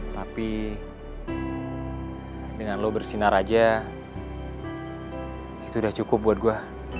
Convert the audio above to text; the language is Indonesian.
tapi dengan lo bersinar aja itu udah cukup buat gue